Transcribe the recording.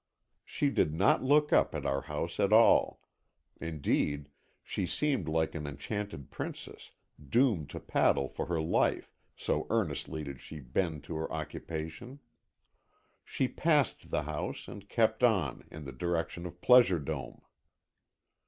She did not look up at our house at all; indeed, she seemed like an enchanted princess, doomed to paddle for her life, so earnestly did she bend to her occupation. She passed the house and kept on, in the direction of Pleasure Dome.